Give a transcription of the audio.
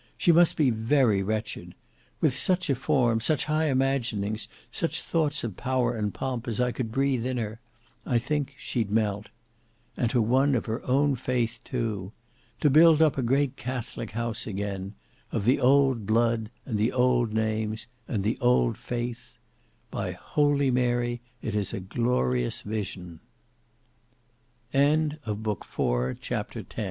She must be very wretched. With such a form, such high imaginings, such thoughts of power and pomp as I could breathe in her,—I think she'd melt. And to one of her own faith, too! To build up a great Catholic house again; of the old blood, and the old names, and the old faith,—by holy Mary it is a glorious vision!" Book 4 Chapter 11 On the eveni